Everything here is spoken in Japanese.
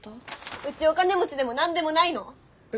うちお金持ちでも何でもないの。え？